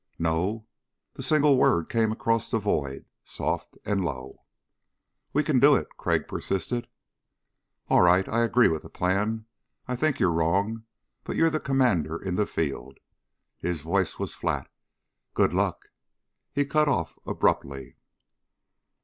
"No?" The single word came across the void, soft and low. "We can do it," Crag persisted. "All right, I agree with the plan. I think you're wrong but you're the Commander in the field." His voice was flat. "Good luck." He cut off abruptly.